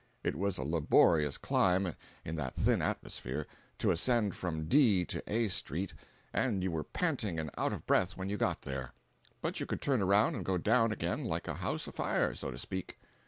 It was a laborious climb, in that thin atmosphere, to ascend from D to A street, and you were panting and out of breath when you got there; but you could turn around and go down again like a house a fire—so to speak.